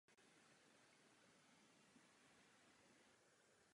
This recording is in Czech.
Na zádi se nacházela přistávací plocha a hangár pro vrtulník.